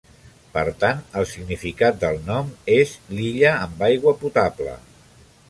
Per tant, el significat del nom és "l'illa amb aigua potable".